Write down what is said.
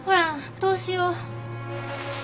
どうしよう。